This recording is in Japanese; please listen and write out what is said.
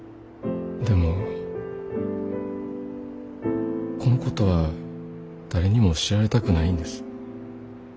でもこのことは誰にも知られたくないんです。